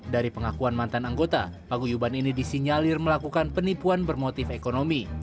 dari pengakuan mantan anggota paguyuban ini disinyalir melakukan penipuan bermotif ekonomi